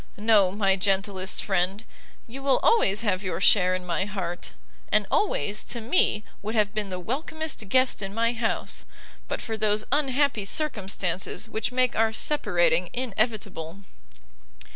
no, my gentlest friend, you will always have your share in my heart; and always, to me, would have been the welcomest guest in my house, but for those unhappy circumstances which make our separating inevitable."